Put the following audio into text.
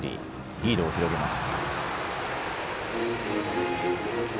リードを広げます。